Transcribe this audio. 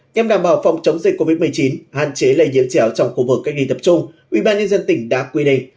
nhàm đảm bảo phòng chống dịch covid một mươi chín hạn chế lây nhiễm chéo trong khu vực cách ly tập trung ủy ban nhân dân tp hcm đã quy định